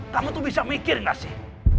kamu tuh bisa mikir gak sih